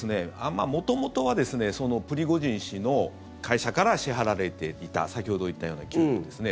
元々はプリゴジン氏の会社から支払われていた先ほど言ったような給与ですね。